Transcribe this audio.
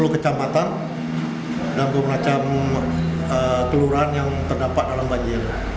sepuluh kecamatan dan berbagai macam teluran yang terdampak dalam banjir